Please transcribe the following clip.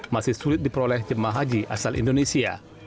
masih sulit diperoleh jemaah haji asal indonesia